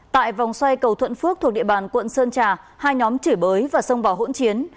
tại vòng xoay cầu thuận phước thuộc địa bàn quận sơn trà hai nhóm chửi bới và xông vào hỗn chiến